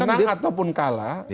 menang ataupun kalah